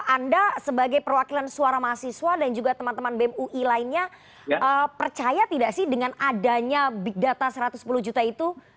anda sebagai perwakilan suara mahasiswa dan juga teman teman bem ui lainnya percaya tidak sih dengan adanya big data satu ratus sepuluh juta itu